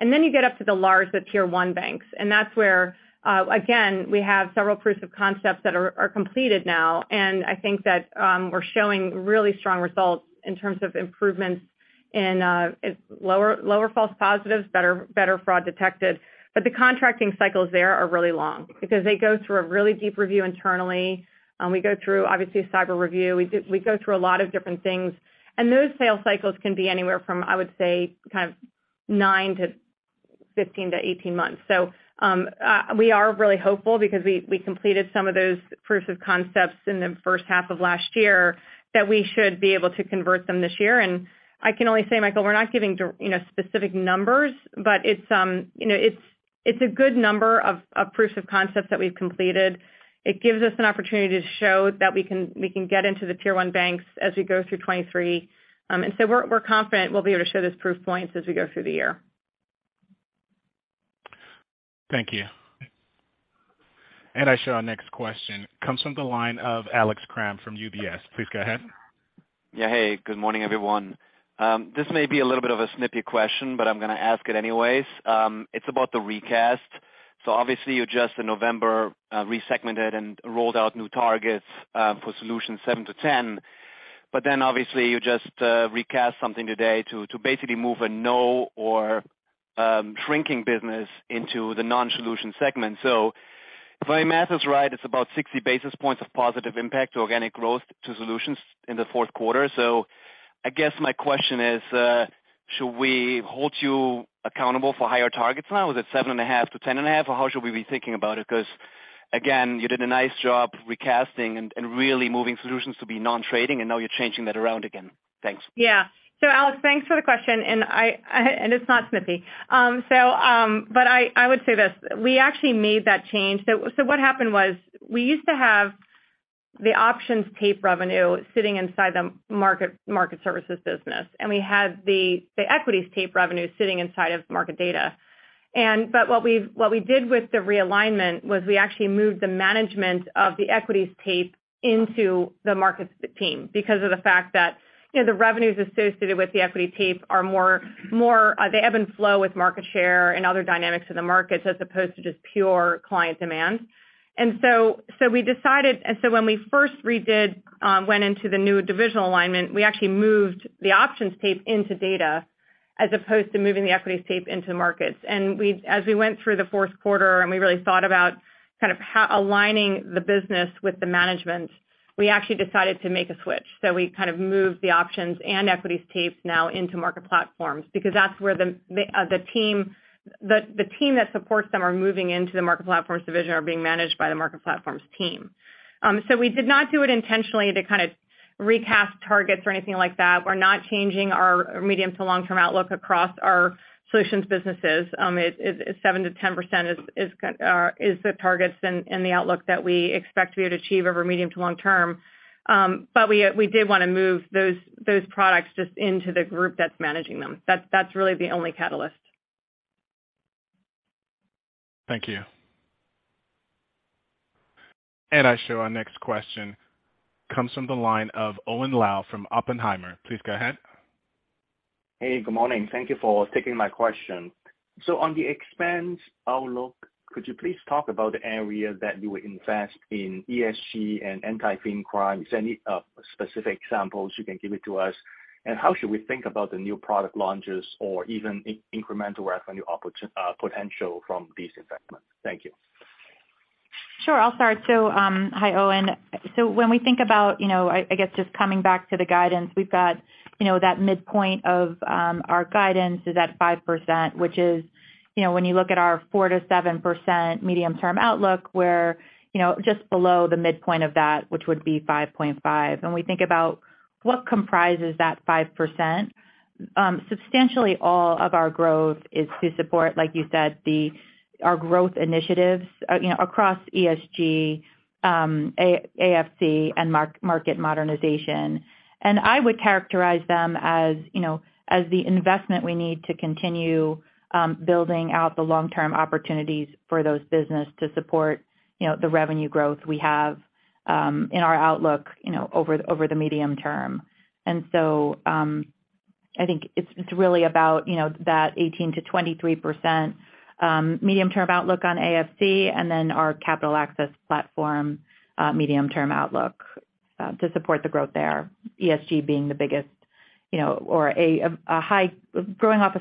You get up to the large, the tier 1 banks, and that's where, again, we have several proofs of concepts that are completed now. I think that we're showing really strong results in terms of improvements in lower false positives, better fraud detected. The contracting cycles there are really long because they go through a really deep review internally. We go through, obviously, a cyber review. We go through a lot of different things, those sales cycles can be anywhere from, I would say, kind of 9 to 15 to 18 months. We are really hopeful because we completed some of those proofs of concepts in the first half of last year that we should be able to convert them this year. I can only say, Michael, we're not giving you know, specific numbers, but it's, you know, it's a good number of proofs of concepts that we've completed. It gives us an opportunity to show that we can get into the tier one banks as we go through 2023. We're confident we'll be able to show those proof points as we go through the year. Thank you. I show our next question comes from the line of Alex Kramm from UBS. Please go ahead. Hey, good morning, everyone. This may be a little bit of a snippy question, but I'm gonna ask it anyways. It's about the recast. Obviously you just in November resegmented and rolled out new targets for solution 7 to 10. Obviously you just recast something today to basically move a no or shrinking business into the non-solution segment. If my math is right, it's about 60 basis points of positive impact to organic growth to solutions in the fourth quarter. I guess my question is, should we hold you accountable for higher targets now? Is it 7.5 to 10.5, or how should we be thinking about it? Again, you did a nice job recasting and really moving solutions to be non-trading, and now you're changing that around again. Thanks. Yeah. Alex, thanks for the question. I, it's not snippy. I would say this, we actually made that change. What happened was we used to have the options tape revenue sitting inside the market services business. We had the equities tape revenue sitting inside of market data. What we did with the realignment was we actually moved the management of the equities tape into the markets team because of the fact that, you know, the revenues associated with the equity tape are more, they ebb and flow with market share and other dynamics of the markets as opposed to just pure client demand. When we first redid, went into the new divisional alignment, we actually moved the options tape into data as opposed to moving the equities tape into markets. As we went through the fourth quarter and we really thought about kind of how aligning the business with the management, we actually decided to make a switch. We kind of moved the options and equities tapes now into Market Platforms because that's where the team, the team that supports them are moving into the Market Platforms division are being managed by the Market Platforms team. We did not do it intentionally to kind of recast targets or anything like that. We're not changing our medium to long-term outlook across our solutions businesses. 7%-10% is the targets and the outlook that we expect to be able to achieve over medium to long term. We did wanna move those products just into the group that's managing them. That's really the only catalyst. Thank you. I show our next question comes from the line of Owen Lau from Oppenheimer. Please go ahead. Good morning. Thank you for taking my question. On the expense outlook, could you please talk about the area that you will invest in ESG and Anti-Fin Crime? Is there any specific examples you can give it to us? How should we think about the new product launches or even incremental revenue potential from these investments? Thank you. Sure. I'll start. Hi, Owen. When we think about, you know, I guess just coming back to the guidance, we've got, you know, that midpoint of our guidance is at 5%, which is, you know, when you look at our 4%-7% medium-term outlook, we're, you know, just below the midpoint of that, which would be 5.5. We think about what comprises that 5%. Substantially all of our growth is to support, like you said, our growth initiatives, you know, across ESG, AFC, and market modernization. I would characterize them as, you know, as the investment we need to continue building out the long-term opportunities for those business to support, you know, the revenue growth we have in our outlook, you know, over the medium term. I think it's really about, you know, that 18%-23%, medium-term outlook on AFC and then our Capital Access Platforms, medium-term outlook, to support the growth there. ESG being the biggest, you know, or a growing off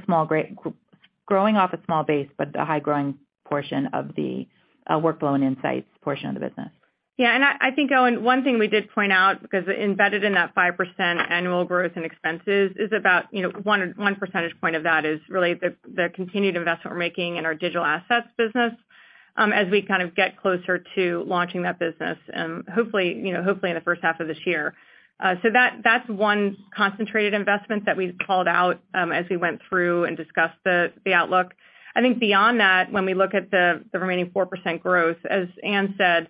a small base, but a high growing portion of the workload and insights portion of the business. I think, Owen, one thing we did point out because embedded in that 5% annual growth and expenses is about, you know, 1 percentage point of that is really the continued investment we're making in our digital assets business, as we kind of get closer to launching that business and hopefully in the first half of this year. That's one concentrated investment that we called out as we went through and discussed the outlook. I think beyond that, when we look at the remaining 4% growth, as Ann said,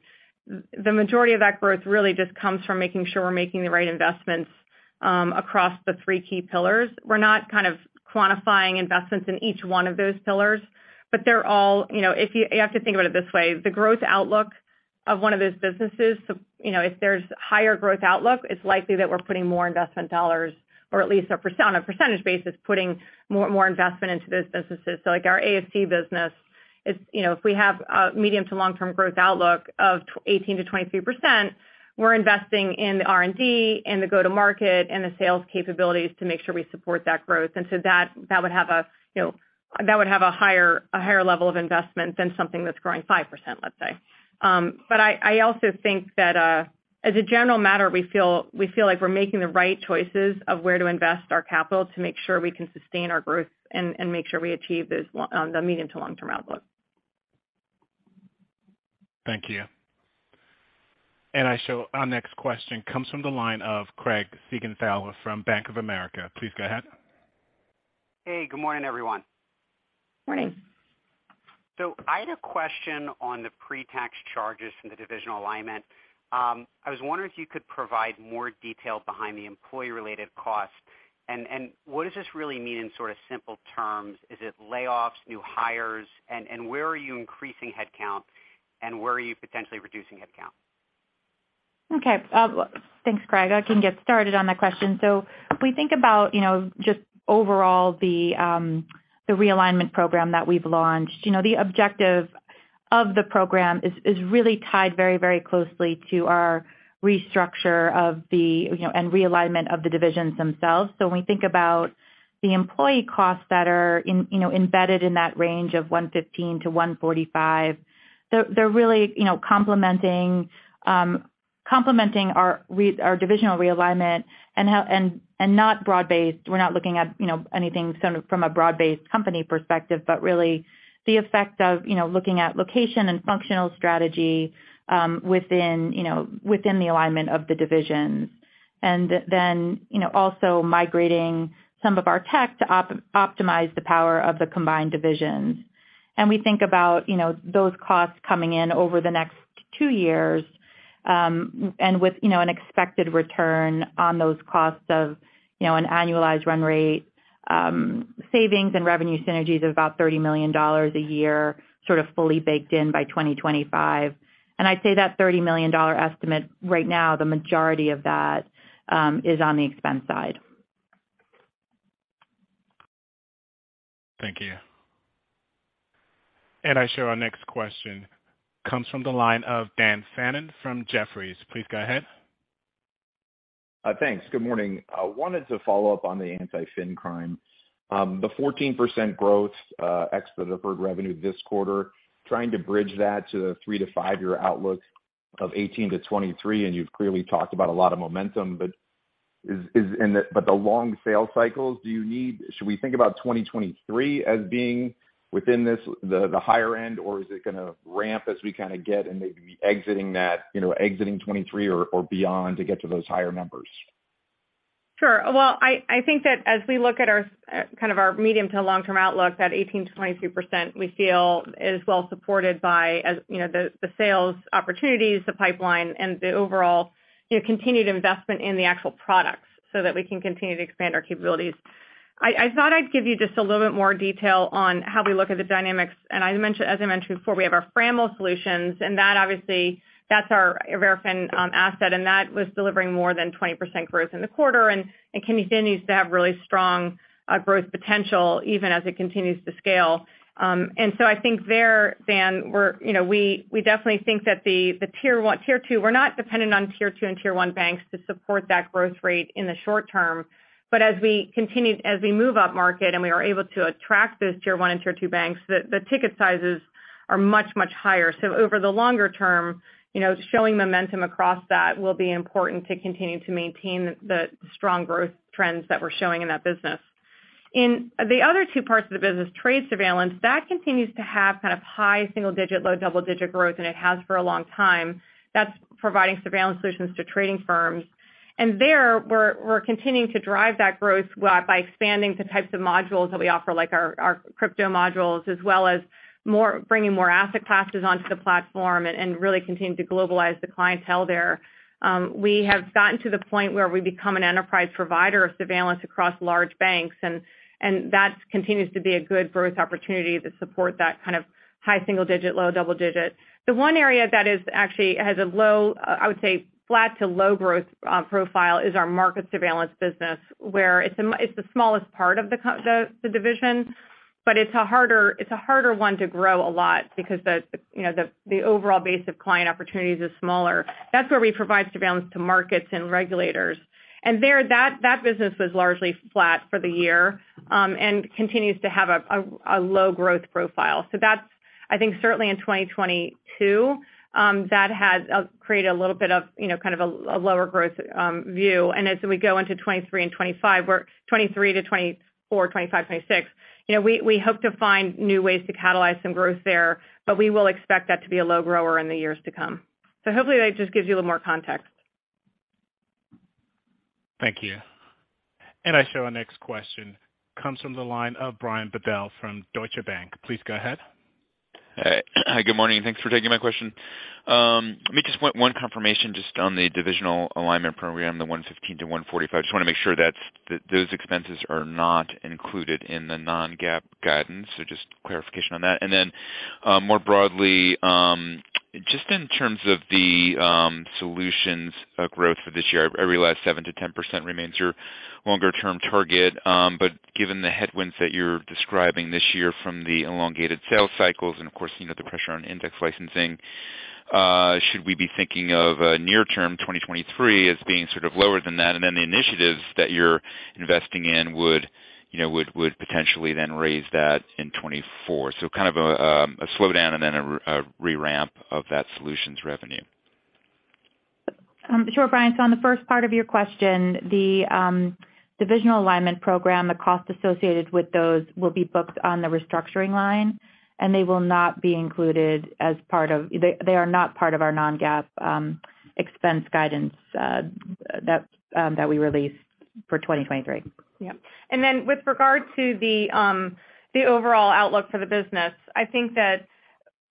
the majority of that growth really just comes from making sure we're making the right investments across the three key pillars. We're not kind of quantifying investments in each one of those pillars, but they're all... You know, you have to think about it this way, the growth outlook of one of those businesses, so, you know, if there's higher growth outlook, it's likely that we're putting more investment dollars or at least on a percentage basis, putting more investment into those businesses. Like our AFC business is, you know, if we have a medium to long-term growth outlook of 18%-23%, we're investing in the R&D and the go-to-market and the sales capabilities to make sure we support that growth. That would have a, you know, that would have a higher level of investment than something that's growing 5%, let's say. I also think that, as a general matter, we feel like we're making the right choices of where to invest our capital to make sure we can sustain our growth and make sure we achieve this on the medium to long-term outlook. Thank you. I show our next question comes from the line of Craig Siegenthaler from Bank of America. Please go ahead. Hey, good morning, everyone. Morning. I had a question on the pre-tax charges from the divisional alignment. I was wondering if you could provide more detail behind the employee-related costs. What does this really mean in sort of simple terms? Is it layoffs, new hires? Where are you increasing headcount, and where are you potentially reducing headcount? Okay. Thanks, Craig. I can get started on that question. If we think about, you know, just overall the realignment program that we've launched, you know, the objective of the program is really tied very closely to our restructure of the, you know, and realignment of the divisions themselves. When we think about the employee costs that are, you know, embedded in that range of $115-$145, they're really, you know, complementing our divisional realignment and not broad-based. We're not looking at, you know, anything sort of from a broad-based company perspective, but really the effect of, you know, looking at location and functional strategy within, you know, within the alignment of the divisions. Then, you know, also migrating some of our tech to optimize the power of the combined divisions. We think about, you know, those costs coming in over the next two years, and with, you know, an expected return on those costs of, you know, an annualized run rate, savings and revenue synergies of about $30 million a year, sort of fully baked in by 2025. I'd say that $30 million estimate right now, the majority of that, is on the expense side. Thank you. I show our next question comes from the line of Dan Fannon from Jefferies. Please go ahead. Thanks. Good morning. I wanted to follow up on the Anti-Fin Crime. The 14% growth ex the deferred revenue this quarter, trying to bridge that to the 3-5 year outlook of 18%-23%, and you've clearly talked about a lot of momentum, but the long sales cycles, should we think about 2023 as being within this, the higher end, or is it gonna ramp as we kinda get and maybe be exiting that, you know, exiting 23 or beyond to get to those higher numbers? Sure. Well, I think that as we look at our, kind of our medium to long-term outlook, that 18%-22% we feel is well supported by, as, you know, the sales opportunities, the pipeline, and the overall, you know, continued investment in the actual products so that we can continue to expand our capabilities. I thought I'd give you just a little bit more detail on how we look at the dynamics. As I mentioned before, we have our FRAML solutions, and that obviously, that's our American asset, and that was delivering more than 20% growth in the quarter. Continues to have really strong growth potential even as it continues to scale. I think there, Dan, we're, you know, we definitely think that the tier one, tier two... We're not dependent on tier 2 and tier 1 banks to support that growth rate in the short term. As we move up market and we are able to attract those tier 1 and tier 2 banks, the ticket sizes are much, much higher. Over the longer term, you know, showing momentum across that will be important to continue to maintain the strong growth trends that we're showing in that business. In the other two parts of the business, trade surveillance, that continues to have kind of high single-digit, low double-digit growth than it has for a long time. That's providing surveillance solutions to trading firms. There, we're continuing to drive that growth by expanding the types of modules that we offer, like our crypto modules, as well as bringing more asset classes onto the platform and really continuing to globalize the clientele there. We have gotten to the point where we've become an enterprise provider of surveillance across large banks, and that continues to be a good growth opportunity to support that kind of high single digit, low double digit. The one area that is actually has a low, I would say flat to low growth profile is our market surveillance business, where it's the smallest part of the division, but it's a harder one to grow a lot because you know, the overall base of client opportunities is smaller. That's where we provide surveillance to markets and regulators. There, that business was largely flat for the year, and continues to have a low growth profile. That's, I think, certainly in 2022, that has created a little bit of, you know, kind of a lower growth view. As we go into 23 and 25 where 23-24, 25, 26, you know, we hope to find new ways to catalyze some growth there, but we will expect that to be a low grower in the years to come. Hopefully that just gives you a little more context. Thank you. I show our next question comes from the line of Brian Bedell from Deutsche Bank. Please go ahead. Hi. Good morning, and thanks for taking my question. Let me just point one confirmation just on the divisional alignment program, the 115-145. Just wanna make sure that those expenses are not included in the non-GAAP guidance. Just clarification on that. Then, more broadly, just in terms of the solutions, growth for this year, I realize 7%-10% remains your longer-term target, but given the headwinds that you're describing this year from the elongated sales cycles and of course, you know, the pressure on index licensing, should we be thinking of near term 2023 as being sort of lower than that, and then the initiatives that you're investing in would, you know, would potentially then raise that in 2024? kind of a slowdown and then a re-ramp of that solutions revenue. Sure, Brian. On the first part of your question, the divisional alignment program, the cost associated with those will be booked on the restructuring line, and they will not be included. They are not part of our non-GAAP expense guidance that we released for 2023. With regard to the overall outlook for the business, I think that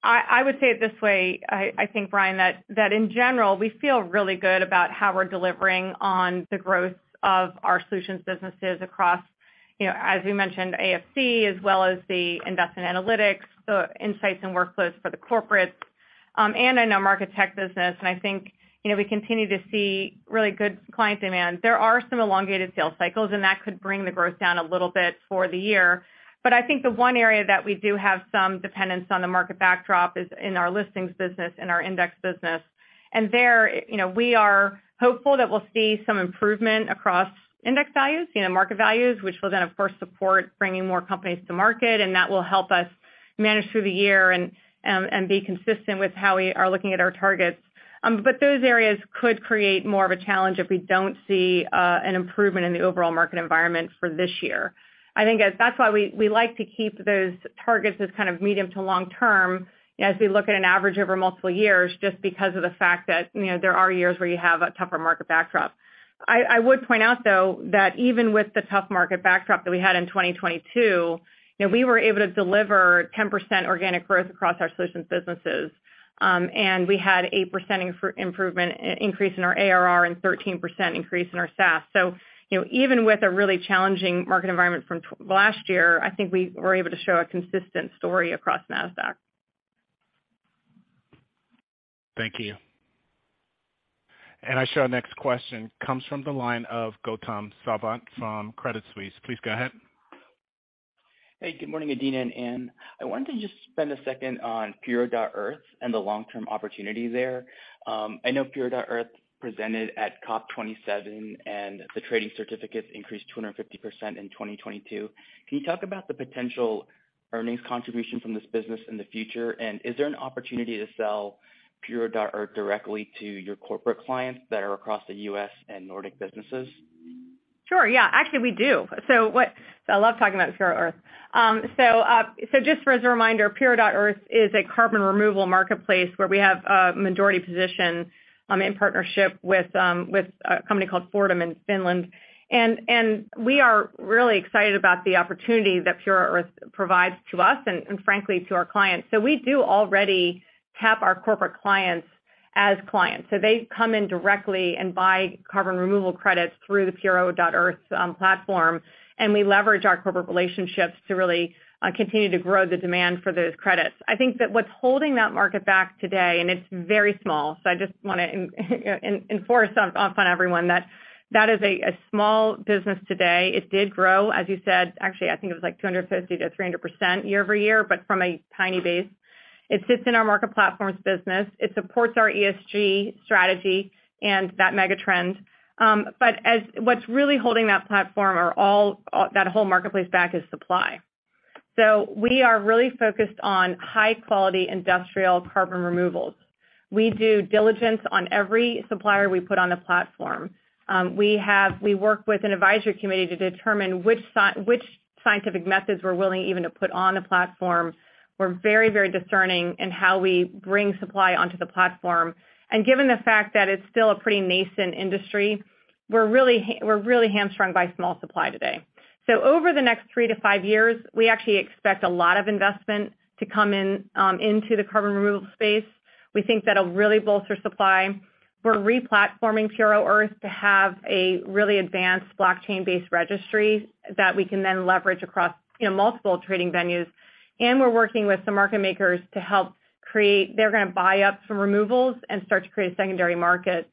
I would say it this way, I think, Brian, that in general, we feel really good about how we're delivering on the growth of our solutions businesses across, you know, as you mentioned, AFC, as well as the investment analytics, the insights and workflows for the corporates, and in our market tech business. I think, you know, we continue to see really good client demand. There are some elongated sales cycles, and that could bring the growth down a little bit for the year. I think the one area that we do have some dependence on the market backdrop is in our listings business and our index business. There, you know, we are hopeful that we'll see some improvement across index values, you know, market values, which will then, of course, support bringing more companies to market, and that will help us manage through the year and be consistent with how we are looking at our targets. Those areas could create more of a challenge if we don't see an improvement in the overall market environment for this year. I think that's why we like to keep those targets as kind of medium to long-term as we look at an average over multiple years just because of the fact that, you know, there are years where you have a tougher market backdrop. I would point out, though, that even with the tough market backdrop that we had in 2022, you know, we were able to deliver 10% organic growth across our solutions businesses, and we had 8% increase in our ARR and 13% increase in our SaaS. You know, even with a really challenging market environment from last year, I think we were able to show a consistent story across Nasdaq. Thank you. I show our next question comes from the line of Gautam Sawant from Credit Suisse. Please go ahead. Hey, good morning, Adena and Ann. I wanted to just spend a second on Puro.earth and the long-term opportunity there. I know Puro.earth presented at COP27, and the trading certificates increased 250% in 2022. Can you talk about the potential earnings contribution from this business in the future? Is there an opportunity to sell Puro.earth directly to your corporate clients that are across the U.S. and Nordic businesses? Sure. Yeah. Actually, we do. I love talking about Puro.earth. Just for as a reminder, Puro.earth is a carbon removal marketplace where we have a majority position in partnership with a company called Fortum in Finland. We are really excited about the opportunity that Puro.earth provides to us and frankly, to our clients. We do already tap our corporate clients as clients. They come in directly and buy carbon removal credits through the Puro.earth's platform, and we leverage our corporate relationships to really continue to grow the demand for those credits. I think that what's holding that market back today, and it's very small, so I just wanna enforce on everyone that that is a small business today. It did grow, as you said, actually, I think it was like 250%-300% year-over-year, but from a tiny base. It sits in our Market Platforms business. It supports our ESG strategy and that mega trend. What's really holding that platform or that whole marketplace back is supply. We are really focused on high quality industrial carbon removals. We do diligence on every supplier we put on the platform. We work with an advisory committee to determine which scientific methods we're willing even to put on the platform. We're very, very discerning in how we bring supply onto the platform. Given the fact that it's still a pretty nascent industry, we're really hamstrung by small supply today. Over the next three to five years, we actually expect a lot of investment to come in into the carbon removal space. We think that'll really bolster supply. We're re-platforming Puro.earth to have a really advanced blockchain-based registry that we can then leverage across, you know, multiple trading venues. We're working with some market makers to help create. They're gonna buy up some removals and start to create a secondary market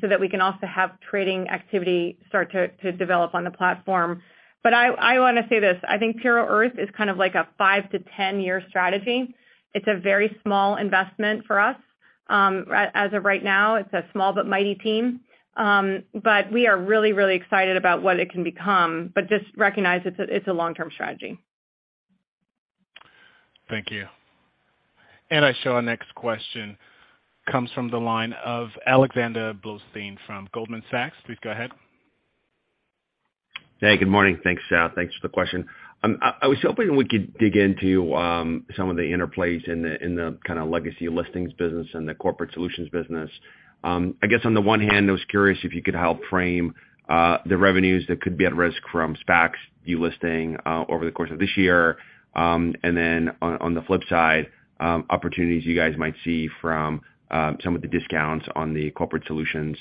so that we can also have trading activity start to develop on the platform. I wanna say this, I think Puro.earth is kind of like a five to ten-year strategy. It's a very small investment for us. As of right now, it's a small but mighty team. We are really, really excited about what it can become, but just recognize it's a long-term strategy. Thank you. I show our next question comes from the line of Alexander Blostein from Goldman Sachs. Please go ahead. Hey, good morning. Thanks, Sal. Thanks for the question. I was hoping we could dig into some of the interplays in the kind of legacy listings business and the corporate solutions business. I guess on the one hand, I was curious if you could help frame the revenues that could be at risk from SPACs delisting over the course of this year. On the flip side, opportunities you guys might see from some of the discounts on the corporate solutions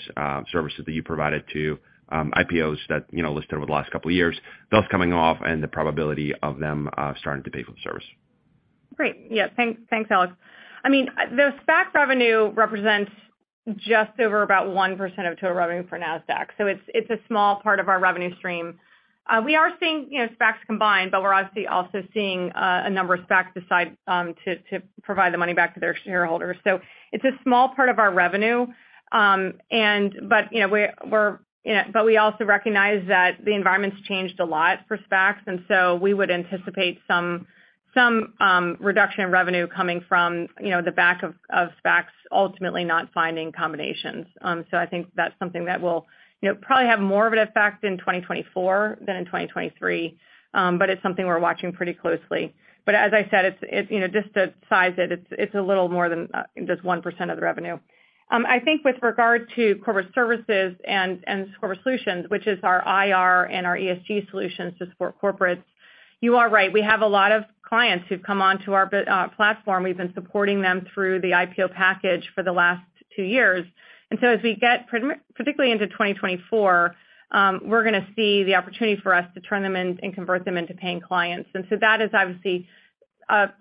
services that you provided to IPOs that, you know, listed over the last couple of years, those coming off and the probability of them starting to pay for the service. Great. Yeah. Thanks, Alex. I mean, the SPAC revenue represents just over about 1% of total revenue for Nasdaq. It's a small part of our revenue stream. We are seeing, you know, SPACs combined, but we're obviously also seeing a number of SPACs decide to provide the money back to their shareholders. It's a small part of our revenue, and, you know, we also recognize that the environment's changed a lot for SPACs, and so we would anticipate some reduction in revenue coming from, you know, the back of SPACs ultimately not finding combinations. I think that's something that will, you know, probably have more of an effect in 2024 than in 2023, but it's something we're watching pretty closely. As I said, it's, you know, just to size it's a little more than 1% of the revenue. I think with regard to corporate services and corporate solutions, which is our IR and our ESG solutions to support corporates, you are right. We have a lot of clients who've come onto our platform. We've been supporting them through the IPO package for the last two years. As we get particularly into 2024, we're gonna see the opportunity for us to turn them in and convert them into paying clients. That is obviously,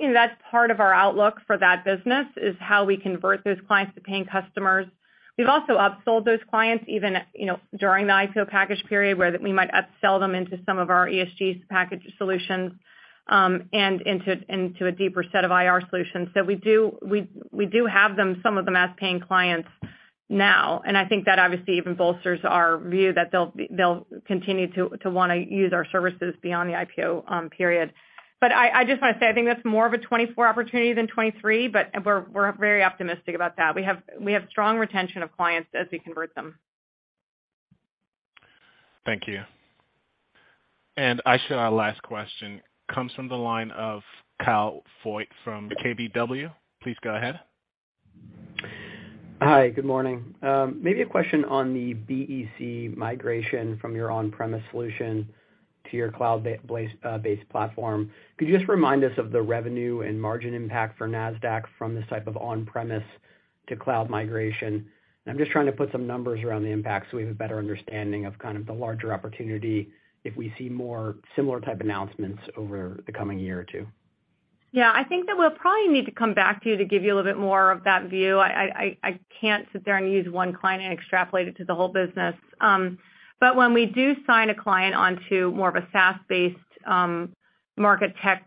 you know, that's part of our outlook for that business, is how we convert those clients to paying customers. We've also upsold those clients even, you know, during the IPO package period, where we might upsell them into some of our ESG package solutions, and into a deeper set of IR solutions. We do have them, some of them as paying clients now, and I think that obviously even bolsters our view that they'll continue to wanna use our services beyond the IPO period. I just wanna say, I think that's more of a 2024 opportunity than 2023, but we're very optimistic about that. We have strong retention of clients as we convert them. Thank you. I show our last question comes from the line of Kyle Voigt from KBW. Please go ahead. Hi, good morning. Maybe a question on the BEC migration from your on-premise solution to your cloud-based platform. Could you just remind us of the revenue and margin impact for Nasdaq from this type of on-premise to cloud migration? I'm just trying to put some numbers around the impact so we have a better understanding of kind of the larger opportunity if we see more similar type announcements over the coming year or two. Yeah. I think that we'll probably need to come back to you to give you a little bit more of that view. I can't sit there and use one client and extrapolate it to the whole business. When we do sign a client onto more of a SaaS-based, market tech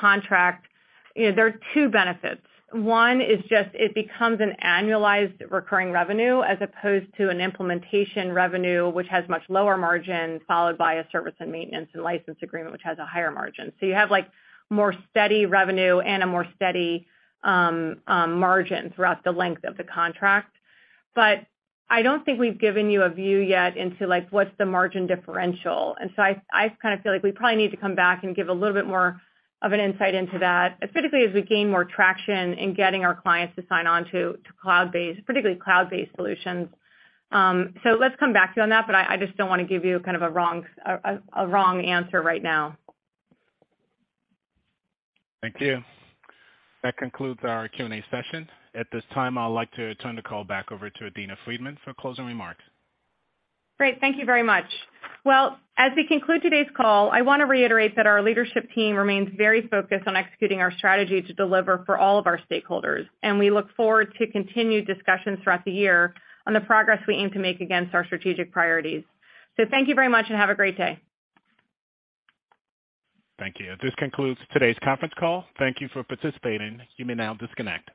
contract, you know, there are two benefits. One is just it becomes an annualized recurring revenue as opposed to an implementation revenue, which has much lower margin, followed by a service and maintenance and license agreement, which has a higher margin. You have, like, more steady revenue and a more steady margin throughout the length of the contract. I don't think we've given you a view yet into, like, what's the margin differential. I kind of feel like we probably need to come back and give a little bit more of an insight into that, particularly as we gain more traction in getting our clients to sign on to cloud-based, particularly cloud-based solutions. Let's come back to you on that, but I just don't wanna give you kind of a wrong answer right now. Thank you. That concludes our Q&A session. At this time, I'd like to turn the call back over to Adena Friedman for closing remarks. Great. Thank you very much. As we conclude today's call, I wanna reiterate that our leadership team remains very focused on executing our strategy to deliver for all of our stakeholders, and we look forward to continued discussions throughout the year on the progress we aim to make against our strategic priorities. Thank you very much and have a great day. Thank you. This concludes today's Conference Call. Thank you for participating. You may now disconnect.